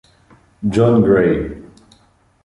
John Gray.